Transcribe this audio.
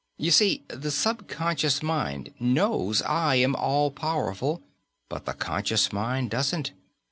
You see, the subconscious mind knows I am all powerful, but the conscious mind doesn't.